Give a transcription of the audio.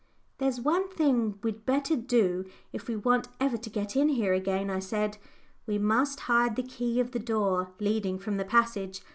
"There's one thing we'd better do if we want ever to get in here again," I said. "We must hide the key of the door leading from the passage.